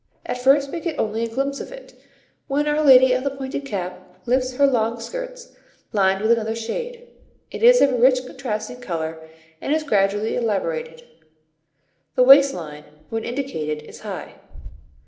At first we get only a glimpse of it, when our lady of the pointed cap lifts her long skirts, lined with another shade. It is of a rich contrasting colour and is gradually elaborated. The waist line, when indicated, is high.